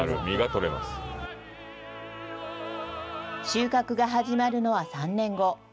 収穫が始まるのは３年後。